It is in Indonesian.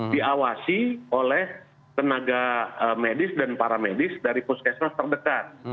diawasi oleh tenaga medis dan para medis dari puskesmas terdekat